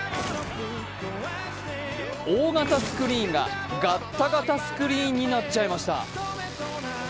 大型スクリーンが、ガッタガタスクリーンになっちゃいました。